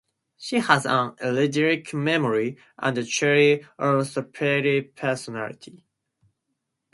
She has an eidetic memory, and a cheery, almost perky personality.